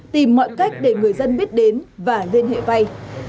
đã cách để người dân biết đến và liên hệ vay